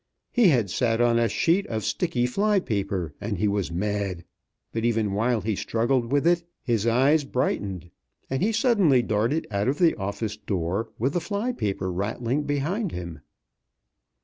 He had sat on a sheet of sticky fly paper, and he was mad, but even while he struggled with it, his eyes brightened, and he suddenly darted out of the office door, with the fly paper rattling behind him.